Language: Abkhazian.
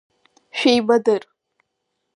Шәеибадыр!